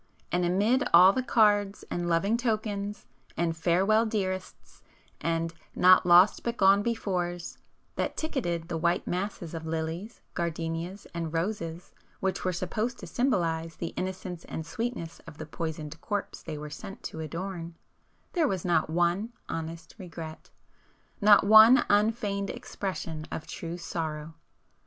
And amid all the cards and 'loving tokens' and 'farewell dearests' and 'not lost but gone befores'—that ticketed the white masses of lilies, gardenias and roses which were supposed to symbolize the innocence and sweetness of the poisoned corpse they were sent to adorn, there was not one honest regret,—not one unfeigned expression of true sorrow.